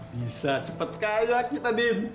bisa cepet kayak kita din